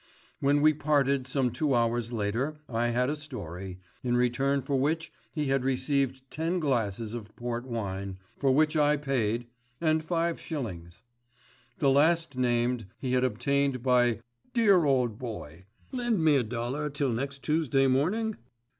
When we parted some two hours later I had a story, in return for which he had received ten glasses of port wine, for which I paid, and five shillings. The last named he had obtained by a "Dear old boy, lend me a dollar till next Tuesday morning.